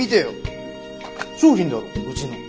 商品だろうちの。